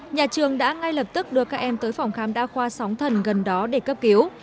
nhà trường đã ngay lập tức đưa các em tới phòng khám đa khoa sóng thần gần đó để cấp cứu